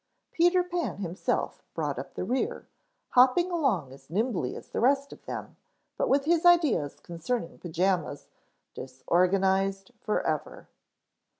Peter Pan himself brought up the rear, hopping along as nimbly as the rest of them, but with his ideas concerning pajamas disorganized forever.